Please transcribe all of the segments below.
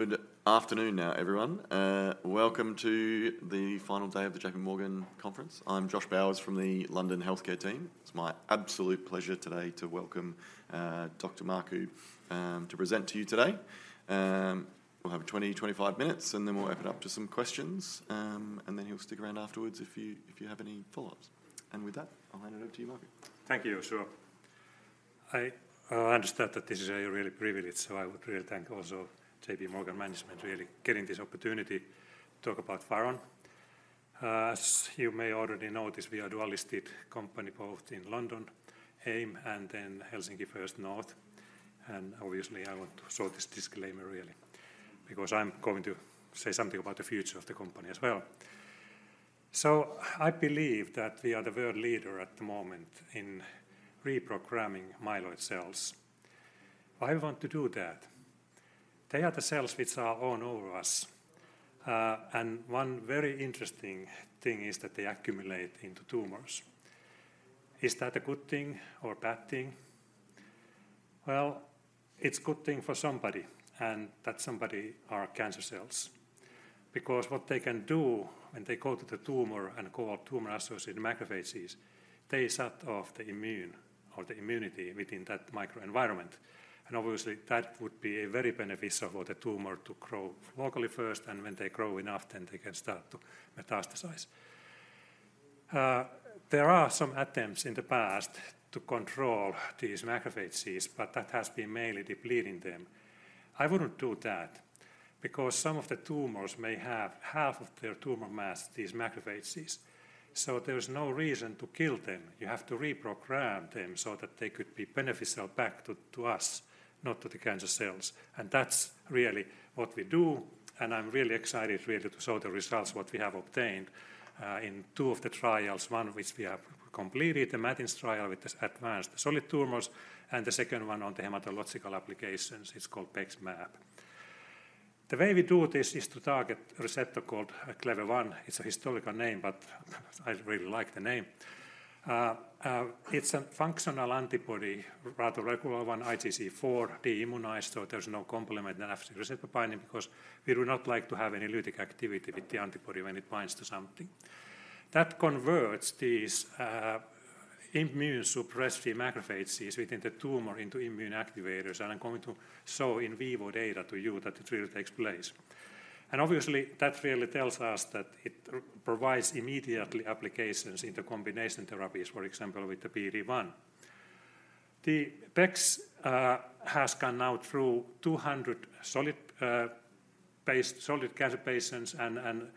Good afternoon now, everyone. Welcome to the final day of the J.P. Morgan conference. I'm Josh Sherwood from the London Healthcare team. It's my absolute pleasure today to welcome Dr. Markku to present to you today. We'll have 20-25 minutes, and then we'll open up to some questions, and then he'll stick around afterwards if you have any follow-ups. With that, I'll hand it over to you, Markku. Thank you, sure. I understand that this is a really privileged, so I would really thank also JPMorgan management, really, getting this opportunity to talk about Faron. As you may already know this, we are a dual-listed company, both in London, AIM, and then Helsinki First North. And obviously, I want to show this disclaimer really, because I'm going to say something about the future of the company as well. So I believe that we are the world leader at the moment in reprogramming myeloid cells. Why we want to do that? They are the cells which are all over us. And one very interesting thing is that they accumulate into tumors. Is that a good thing or a bad thing? Well, it's good thing for somebody, and that somebody are cancer cells. Because what they can do when they go to the tumor and go out tumor-associated macrophages, they shut off the immune or the immunity within that microenvironment. And obviously, that would be very beneficial for the tumor to grow locally first, and when they grow enough, then they can start to metastasize. There are some attempts in the past to control these macrophages, but that has been mainly depleting them. I wouldn't do that because some of the tumors may have half of their tumor mass, these macrophages. So there is no reason to kill them. You have to reprogram them so that they could be beneficial back to, to us, not to the cancer cells. That's really what we do, and I'm really excited really to show the results what we have obtained in two of the trials, one which we have completed, the MATINS trial, with the advanced solid tumors, and the second one on the hematological applications, it's called BEXMAB. The way we do this is to target a receptor called Clever-1. It's a historical name, but I really like the name. It's a functional antibody, rather regular one, IgG4 deimmunized, so there's no complement and Fc receptor binding because we do not like to have any lytic activity with the antibody when it binds to something. That converts these immune-suppressive macrophages within the tumor into immune activators, and I'm going to show in vivo data to you that it really takes place. And obviously, that really tells us that it provides immediately applications into combination therapies, for example, with the PD-1. The BEXMAB has gone now through 200 solid cancer patients and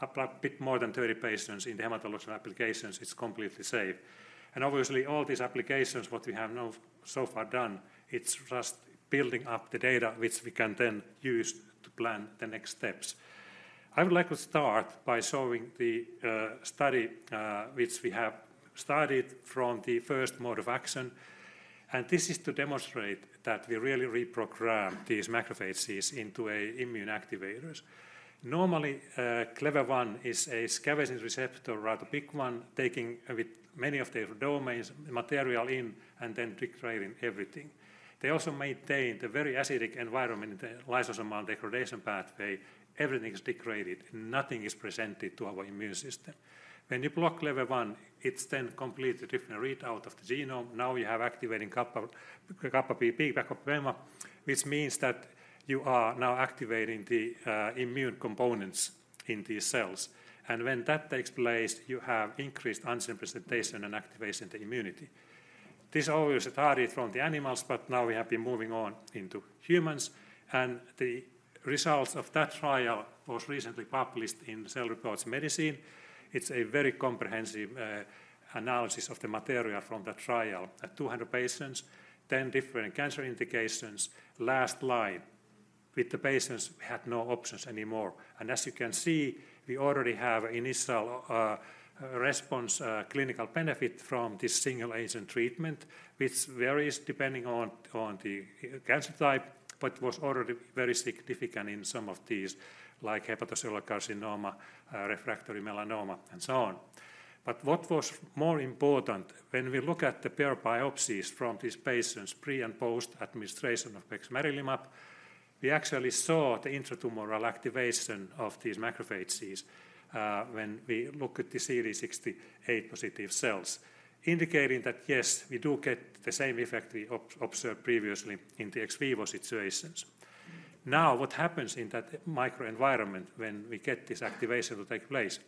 about a bit more than 30 patients in the hematological applications. It's completely safe. And obviously, all these applications, what we have now so far done, it's just building up the data, which we can then use to plan the next steps. I would like to start by showing the study which we have started from the first mode of action, and this is to demonstrate that we really reprogram these macrophages into a immune activators. Normally, Clever-1 is a scavenging receptor, rather a big one, taking with many of their domains, material in, and then degrading everything. They also maintain the very acidic environment in the lysosomal degradation pathway. Everything is degraded, nothing is presented to our immune system. When you block Clever-1, it's then completely different readout of the genome. Now you have activating kappa, kappa B, kappa B, which means that you are now activating the immune components in these cells. And when that takes place, you have increased antigen presentation and activation of the immunity. This all was studied from the animals, but now we have been moving on into humans, and the results of that trial was recently published in Cell Reports Medicine. It's a very comprehensive analysis of the material from the trial. At 200 patients, 10 different cancer indications, last line with the patients who had no options anymore. As you can see, we already have initial response clinical benefit from this single agent treatment, which varies depending on the cancer type, but was already very significant in some of these, like hepatocellular carcinoma, refractory melanoma, and so on. But what was more important, when we look at the paired biopsies from these patients, pre- and post-administration of bexmarilimab, we actually saw the intratumoral activation of these macrophages, when we look at the CD68-positive cells, indicating that, yes, we do get the same effect we observed previously in the ex vivo situations. Now, what happens in that microenvironment when we get this activation to take place?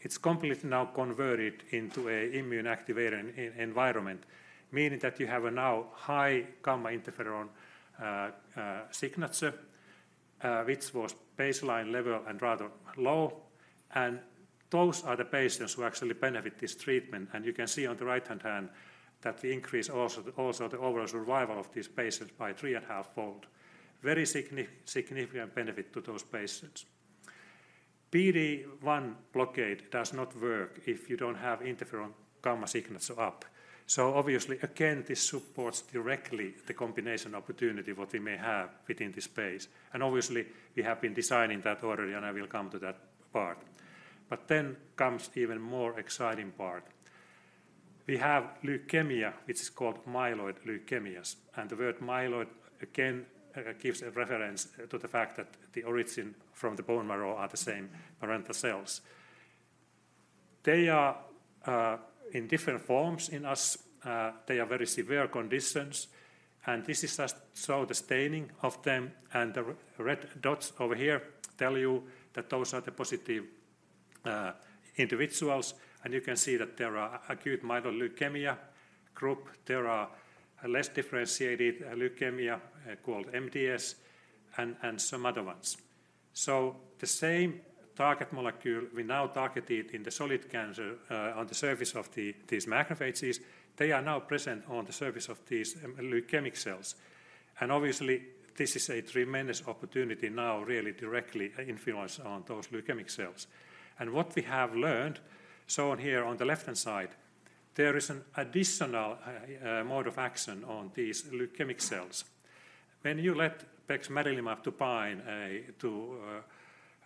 It's completely now converted into an immune-activated environment, meaning that you have now a high interferon-gamma signature, which was baseline level and rather low, and those are the patients who actually benefit from this treatment. And you can see on the right-hand side that we also increase the overall survival of these patients by 3.5-fold. Very significant benefit to those patients. PD-1 blockade does not work if you don't have interferon gamma signals up. So obviously, again, this supports directly the combination opportunity that we may have within this space. And obviously, we have been designing that already, and I will come to that part. But then comes the even more exciting part.... We have leukemia, which is called myeloid leukemias, and the word myeloid, again, gives a reference to the fact that the origin from the bone marrow are the same parental cells. They are in different forms in us. They are very severe conditions, and this is just so the staining of them, and the red dots over here tell you that those are the positive individuals. And you can see that there are acute myeloid leukemia group, there are less differentiated leukemia, called MDS, and some other ones. So the same target molecule we now targeted in the solid cancer, on the surface of these macrophages, they are now present on the surface of these leukemic cells. And obviously, this is a tremendous opportunity now really directly influence on those leukemic cells. What we have learned, shown here on the left-hand side, there is an additional mode of action on these leukemic cells. When you let bexmarilimab to bind to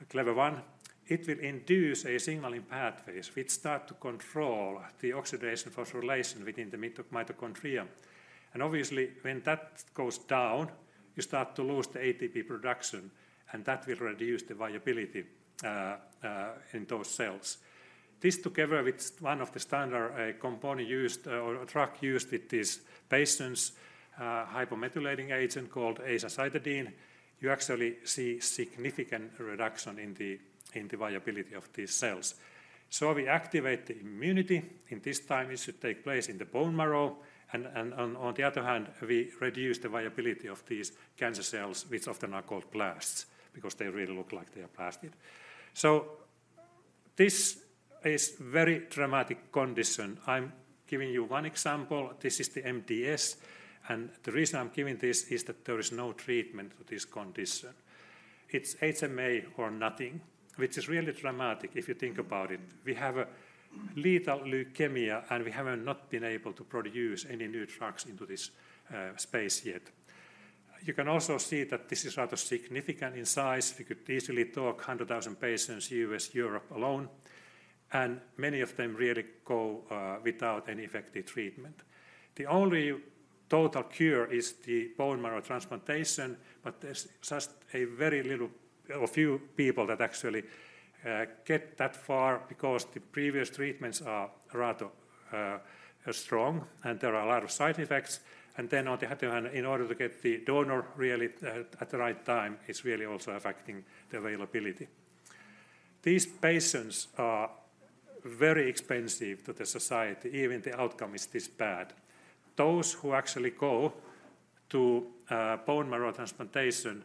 Clever-1, it will induce a signaling pathways, which start to control the oxidative phosphorylation within the mitochondria. And obviously, when that goes down, you start to lose the ATP production, and that will reduce the viability in those cells. This, together with one of the standard component used or drug used with these patients, hypomethylating agent called azacitidine, you actually see significant reduction in the viability of these cells. So we activate the immunity, in this time it should take place in the bone marrow, and on the other hand, we reduce the viability of these cancer cells, which often are called blasts, because they really look like they are blasted. So this is very dramatic condition. I'm giving you one example. This is the MDS, and the reason I'm giving this is that there is no treatment for this condition. It's HMA or nothing, which is really dramatic if you think about it. We have a lethal leukemia, and we have not been able to produce any new drugs into this space yet. You can also see that this is rather significant in size. We could easily talk 100,000 patients, U.S., Europe alone, and many of them really go without any effective treatment. The only total cure is the bone marrow transplantation, but there's just a very little or few people that actually get that far because the previous treatments are rather strong, and there are a lot of side effects. Then on the other hand, in order to get the donor really at the right time, it's really also affecting the availability. These patients are very expensive to the society, even the outcome is this bad. Those who actually go to bone marrow transplantation,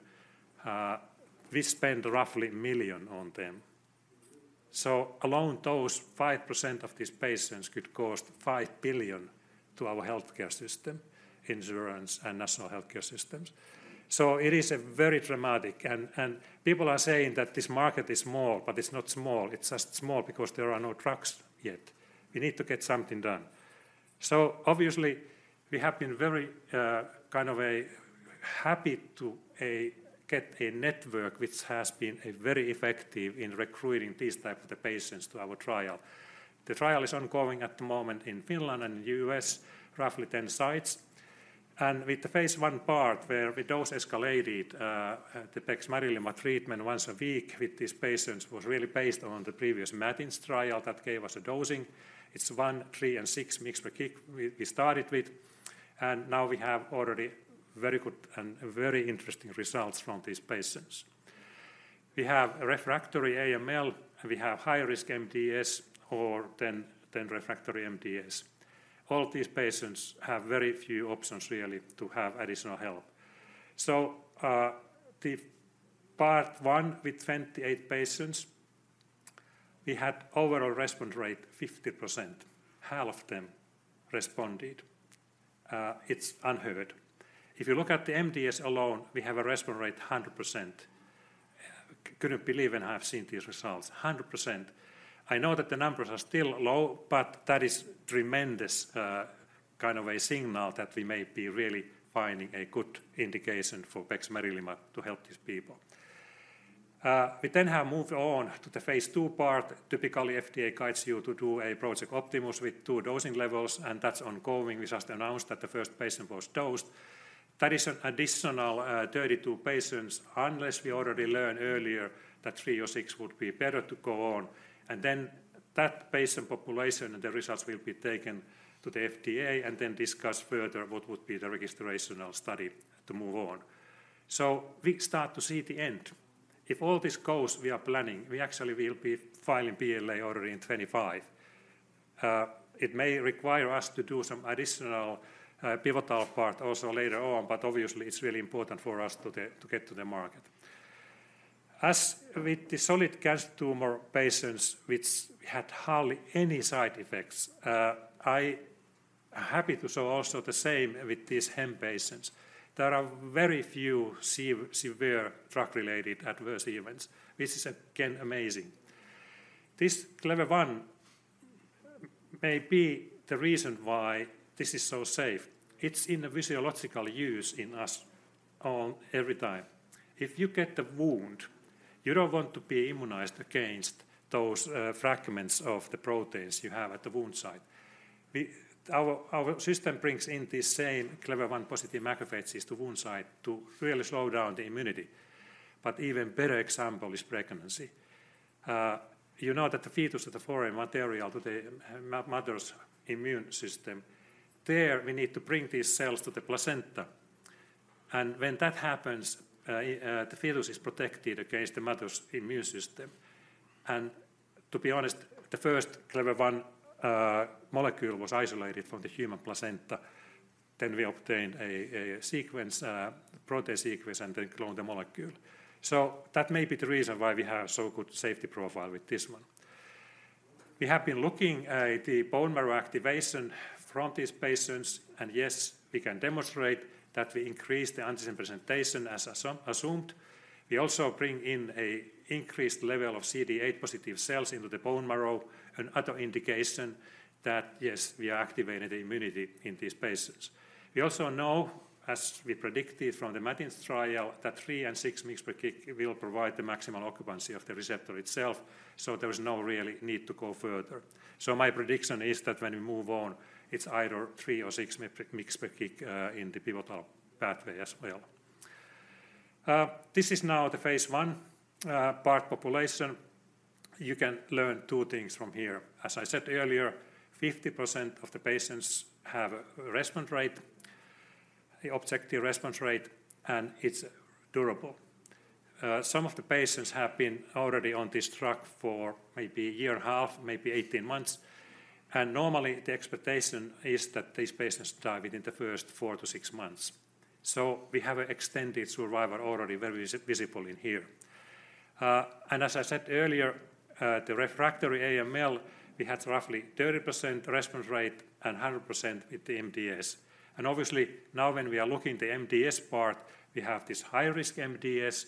we spend roughly 1 million on them. So alone, those 5% of these patients could cost 5 billion to our healthcare system, insurance and national healthcare systems. So it is a very dramatic, and people are saying that this market is small, but it's not small. It's just small because there are no drugs yet. We need to get something done. So obviously, we have been very kind of happy to get a network, which has been very effective in recruiting these type of the patients to our trial. The trial is ongoing at the moment in Finland and U.S., roughly 10 sites. And with the phase one part, where we dose escalated the bexmarilimab treatment once a week with these patients, was really based on the previous MATINS trial that gave us a dosing. It's 1, 3, and 6 mg per kg we started with, and now we have already very good and very interesting results from these patients. We have refractory AML, and we have high risk MDS or then refractory MDS. All these patients have very few options, really, to have additional help. So the part one with 28 patients, we had overall response rate 50%. Half of them responded. It's unheard. If you look at the MDS alone, we have a response rate 100%. Couldn't believe when I have seen these results, 100%. I know that the numbers are still low, but that is tremendous, kind of a signal that we may be really finding a good indication for bexmarilimab to help these people. We then have moved on to the phase II part. Typically, FDA guides you to do a Project Optimus with two dosing levels, and that's ongoing. We just announced that the first patient was dosed. That is an additional, 32 patients, unless we already learn earlier that 3 mg or 6 mg would be better to go on. And then that patient population and the results will be taken to the FDA and then discuss further what would be the registrational study to move on. So we start to see the end. If all this goes, we are planning, we actually will be filing BLA already in 2025. It may require us to do some additional, pivotal part also later on, but obviously, it's really important for us to get to the market. As with the solid cancer tumor patients, which had hardly any side effects, I am happy to say also the same with these hem patients. There are very few severe drug-related adverse events, which is, again, amazing. This Clever-1 may be the reason why this is so safe. It's in a physiological use in us all every time. If you get a wound, you don't want to be immunized against those, fragments of the proteins you have at the wound site. Our system brings in these same Clever-1 positive macrophages to wound site to really slow down the immunity. Even better example is pregnancy. You know that the fetus is a foreign material to the mother's immune system. There, we need to bring these cells to the placenta, and when that happens, the fetus is protected against the mother's immune system. To be honest, the first Clever-1 molecule was isolated from the human placenta. Then we obtained a sequence, protein sequence, and then cloned the molecule. So that may be the reason why we have so good safety profile with this one. We have been looking at the bone marrow activation from these patients, and yes, we can demonstrate that we increase the antigen presentation as assumed. We also bring in an increased level of CD8 positive cells into the bone marrow, another indication that, yes, we are activating the immunity in these patients. We also know, as we predicted from the MATINS trial, that 3mg and 6 mg per kg will provide the maximal occupancy of the receptor itself, so there is no really need to go further. So my prediction is that when we move on, it's either 3 mg or 6 mg per-- mg per kg in the pivotal pathway as well. This is now the phase I patient population. You can learn two things from here. As I said earlier, 50% of the patients have a response rate, the objective response rate, and it's durable. Some of the patients have been already on this drug for maybe a year and a half, maybe 18 months, and normally the expectation is that these patients die within the first four to six months. So we have an extended survival already very visible in here. And as I said earlier, the refractory AML, we had roughly 30% response rate and 100% with the MDS. And obviously, now when we are looking the MDS part, we have this high-risk MDS,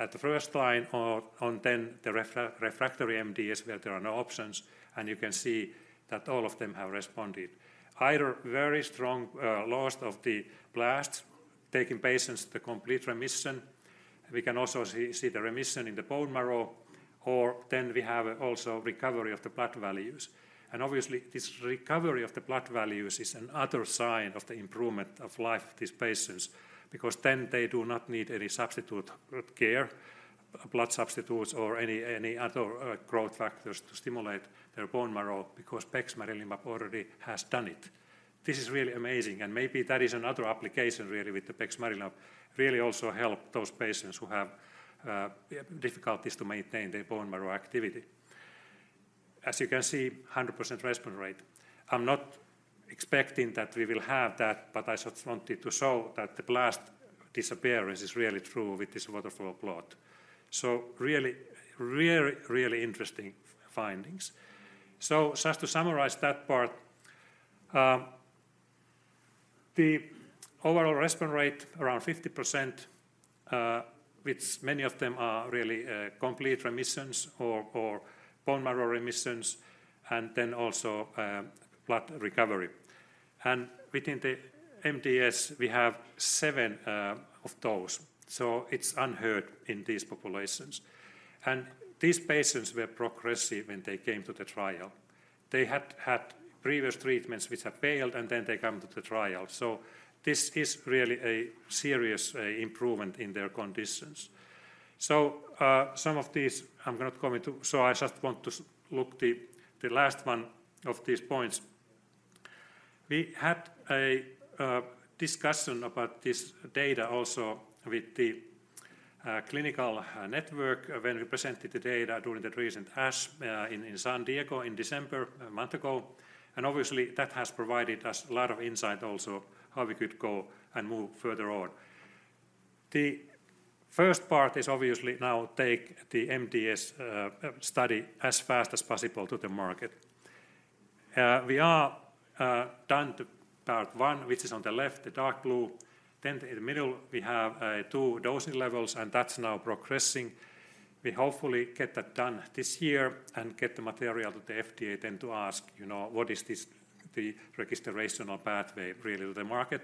at the first line or on then the refractory MDS, where there are no options, and you can see that all of them have responded. Either very strong loss of the blasts, taking patients to complete remission. We can also see the remission in the bone marrow, or then we have also recovery of the blood values. And obviously, this recovery of the blood values is another sign of the improvement of life of these patients, because then they do not need any substitute care, blood substitutes, or any other growth factors to stimulate their bone marrow, because bexmarilimab already has done it. This is really amazing, and maybe that is another application really with the bexmarilimab, really also help those patients who have difficulties to maintain their bone marrow activity. As you can see, 100% response rate. I'm not expecting that we will have that, but I just wanted to show that the blast disappearance is really true with this waterfall plot. So really, really, really interesting findings. So just to summarize that part, the overall response rate around 50%, which many of them are really complete remissions or bone marrow remissions, and then also blood recovery. And within the MDS, we have seven of those, so it's unheard of in these populations. And these patients were progressive when they came to the trial. They had had previous treatments which have failed, and then they come to the trial. So this is really a serious improvement in their conditions. So, some of these I'm not going to so I just want to look at the last one of these points. We had a discussion about this data also with the clinical network when we presented the data during the recent ASH in San Diego in December, a month ago. Obviously, that has provided us a lot of insight also how we could go and move further on. The first part is obviously now take the MDS study as fast as possible to the market. We are down to part one, which is on the left, the dark blue. Then in the middle, we have two dosing levels, and that's now progressing. We hopefully get that done this year and get the material to the FDA then to ask, you know, what is the registrational pathway really to the market.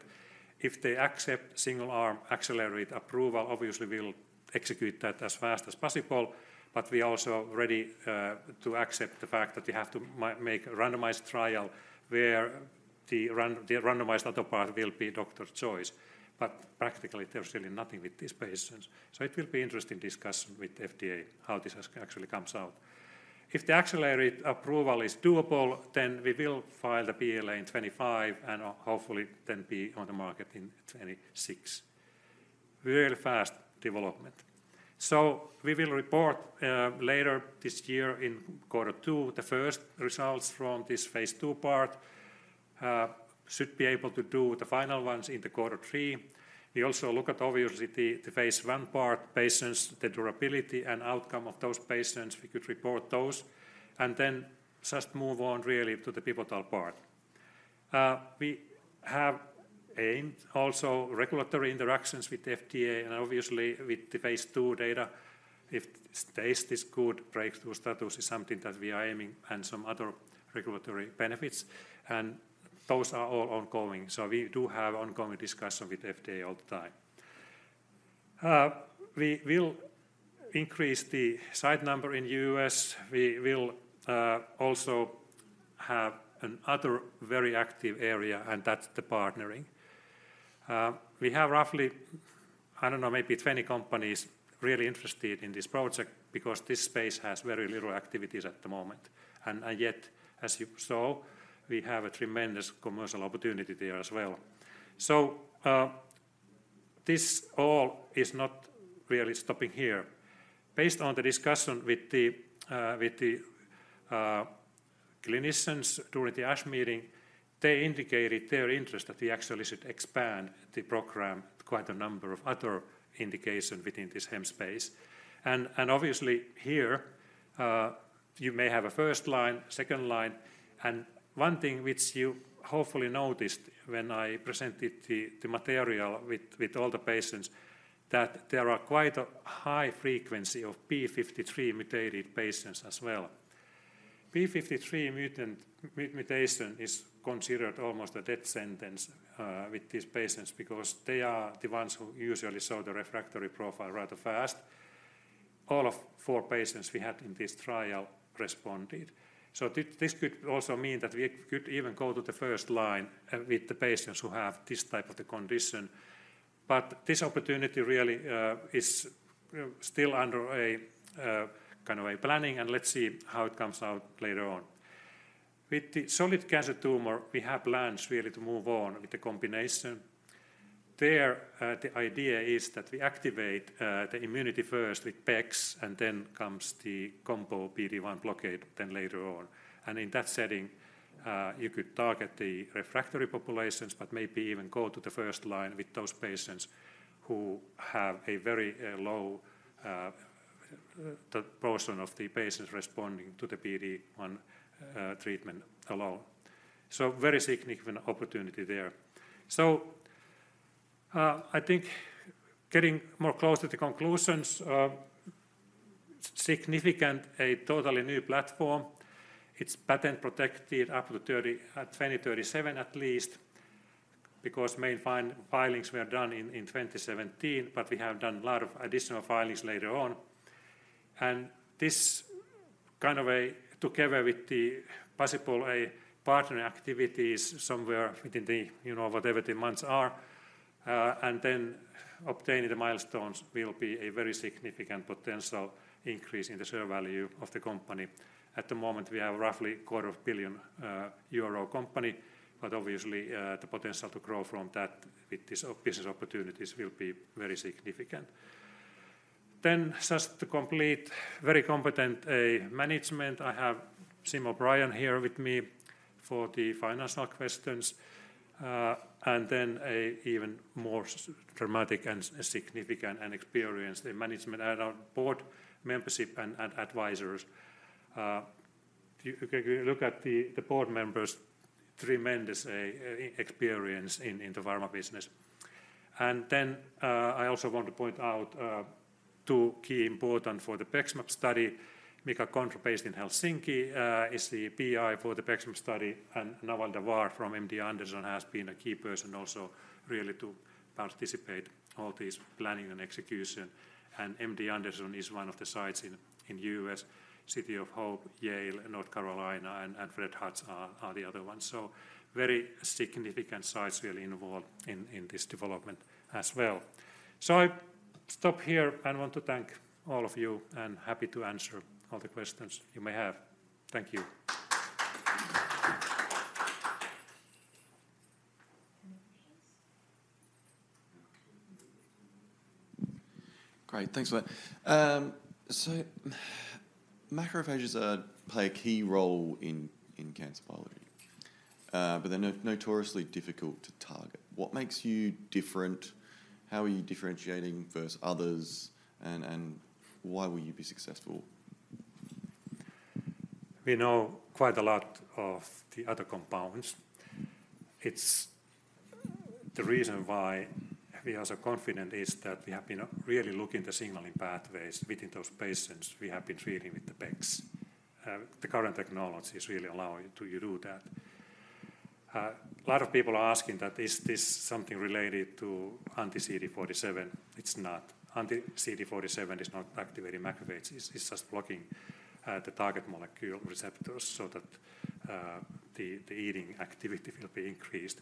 If they accept single-arm accelerated approval, obviously we'll execute that as fast as possible, but we are also ready to accept the fact that we have to make a randomized trial, where the randomized other part will be doctor's choice. But practically, there's really nothing with these patients. So it will be interesting discussion with FDA, how this has actually comes out. If the accelerated approval is doable, then we will file the BLA in 2025 and hopefully then be on the market in 2026. Really fast development. So we will report later this year in quarter two. The first results from this phase II part should be able to do the final ones in the quarter three. We also look at obviously the phase I part, patients, the durability and outcome of those patients. We could report those and then just move on really to the pivotal part. We have aimed also regulatory interactions with FDA and obviously with the phase II data if stays this good, breakthrough status is something that we are aiming and some other regulatory benefits, and those are all ongoing. So we do have ongoing discussion with FDA all the time. We will increase the site number in U.S. We will also have another very active area, and that's the partnering. We have roughly, I don't know, maybe 20 companies really interested in this project because this space has very little activity at the moment. And yet, as you saw, we have a tremendous commercial opportunity there as well. So this all is not really stopping here. Based on the discussion with the clinicians during the ASH meeting, they indicated their interest that we actually should expand the program to quite a number of other indications within this HEM space. Obviously, here, you may have a first line, second line, and one thing which you hopefully noticed when I presented the material with all the patients, that there are quite a high frequency of TP53 mutated patients as well. TP53 mutation is considered almost a death sentence with these patients because they are the ones who usually show the refractory profile rather fast. All of four patients we had in this trial responded. So this could also mean that we could even go to the first line with the patients who have this type of the condition. But this opportunity really is still under a kind of a planning, and let's see how it comes out later on. With the solid cancer tumor, we have plans really to move on with the combination. The idea is that we activate the immunity first with Bex, and then comes the combo PD-1 blockade, then later on. In that setting, you could target the refractory populations, but maybe even go to the first line with those patients who have a very low, the portion of the patients responding to the PD-1 treatment alone. So very significant opportunity there. So, I think getting more close to the conclusions, significant, a totally new platform. It's patent protected up to 2027 at least, because main filings were done in 2017, but we have done a lot of additional filings later on. This kind of a together with the possible partner activities somewhere within the, you know, whatever the months are, and then obtaining the milestones will be a very significant potential increase in the share value of the company. At the moment, we have roughly 250 million euro company, but obviously the potential to grow from that with this business opportunities will be very significant. Then just to complete, very competent management. I have Simo Pöyhönen here with me for the financial questions, and then an even more dramatic and significant and experienced management and our board membership and advisors. If you look at the board members, tremendous experience in the pharma business. And then I also want to point out two key important for the BEXMAB study. Mika Kontro, based in Helsinki, is the PI for the BEXMAB study, and Naval Daver from MD Anderson has been a key person also really to participate all this planning and execution. MD Anderson is one of the sites in US, City of Hope, Yale, North Carolina, and Fred Hutch are the other ones. So very significant sites really involved in this development as well. So I stop here and want to thank all of you, and happy to answer all the questions you may have. Thank you. Great. Thanks for that. So macrophages play a key role in cancer biology, but they're notoriously difficult to target. What makes you different? How are you differentiating versus others, and why will you be successful? We know quite a lot of the other compounds. It's the reason why we are so confident is that we have been really looking at the signaling pathways within those patients we have been treating with the BEXMAB. The current technology is really allowing you to do that. A lot of people are asking that, "Is this something related to anti-CD47?" It's not. Anti-CD47 is not activating macrophages. It's just blocking the target molecule receptors so that the eating activity will be increased.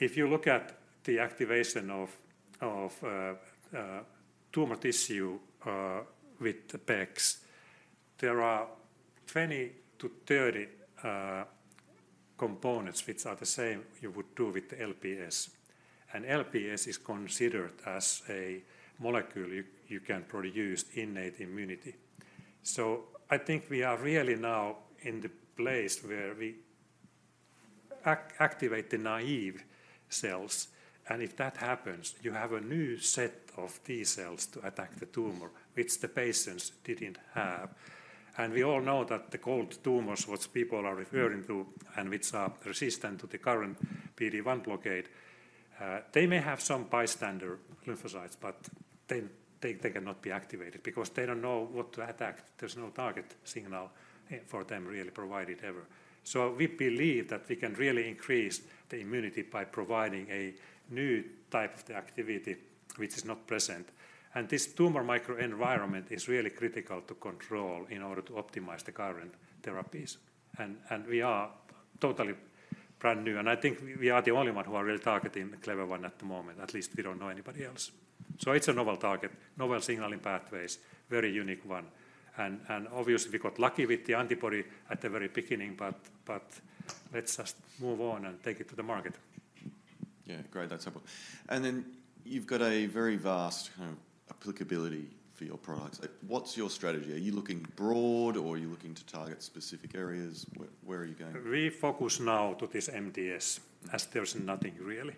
If you look at the activation of tumor tissue with the BEXMAB, there are 20-30 components which are the same you would do with the LPS. And LPS is considered as a molecule you can produce innate immunity. So I think we are really now in the place where we activate the naive cells, and if that happens, you have a new set of T cells to attack the tumor, which the patients didn't have. And we all know that the cold tumors, which people are referring to, and which are resistant to the current PD-1 blockade. They may have some bystander lymphocytes, but they cannot be activated because they don't know what to attack. There's no target signal for them really provided ever. So we believe that we can really increase the immunity by providing a new type of the activity which is not present. And this tumor microenvironment is really critical to control in order to optimize the current therapies. We are totally brand new, and I think we are the only one who are really targeting the Clever-1 at the moment. At least we don't know anybody else. So it's a novel target, novel signaling pathways, very unique one. And obviously, we got lucky with the antibody at the very beginning, but let's just move on and take it to the market. Yeah, great. That's helpful. And then you've got a very vast kind of applicability for your products. Like, what's your strategy? Are you looking broad, or are you looking to target specific areas? Where are you going? We focus now to this MDS, as there's nothing really.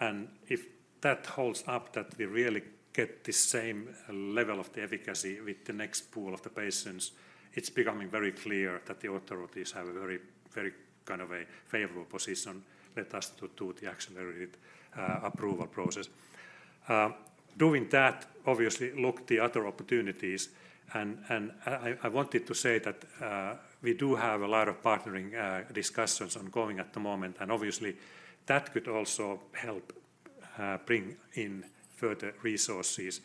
And if that holds up, that we really get the same level of the efficacy with the next pool of the patients, it's becoming very clear that the authorities have a very, very kind of a favorable position, let us to do the accelerated approval process. Doing that, obviously look the other opportunities, and, and I, I wanted to say that, we do have a lot of partnering discussions ongoing at the moment, and obviously, that could also help bring in further resources.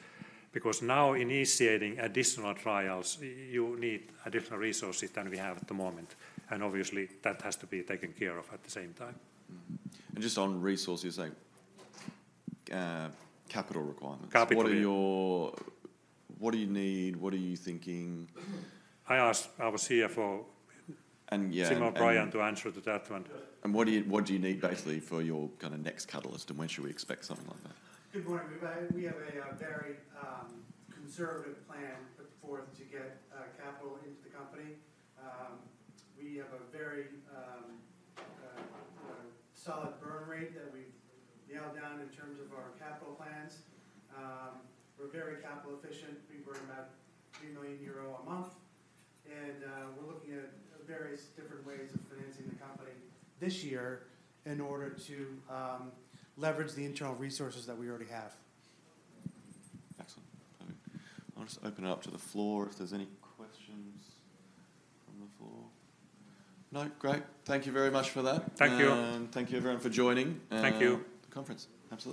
Because now initiating additional trials, you need additional resources than we have at the moment, and obviously, that has to be taken care of at the same time. Mm-hmm. Just on resources, like, capital requirements- Capital, yeah. What are your... What do you need? What are you thinking? I ask our CFO- And, yeah, and-... O'Brien, to answer to that one. What do you need basically for your kind of next catalyst, and when should we expect something like that? Good morning, everybody. We have a very conservative plan put forth to get capital into the company. We have a very solid burn rate that we've nailed down in terms of our capital plans. We're very capital efficient. We burn about 3 million euro a month, and we're looking at various different ways of financing the company this year in order to leverage the internal resources that we already have. Excellent. I'll just open it up to the floor if there's any questions from the floor. No? Great. Thank you very much for that. Thank you. Thank you, everyone, for joining- Thank you... the conference. Absolutely.